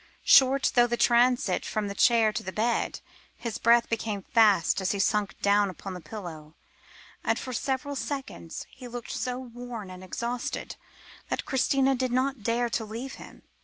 Short though the transit was from chair to bed, his breath came fast as he sank down upon the pillow, and for several seconds he looked so worn and exhausted, that Christina did not dare to leave him.